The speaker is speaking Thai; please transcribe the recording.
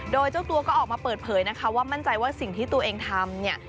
โดยเจ้าตัวก็ออกมาเปิดเผยนะคะว่ามั่นใจว่าสิ่งที่ตัวเองทำเนี่ย